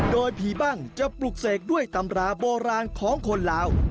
โดยผีบ้างจะปลุกเสกด้วยตำราโบราณของคนลาว